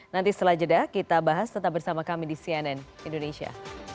nanti setelah jeda kita bahas tetap bersama kami di cnn indonesia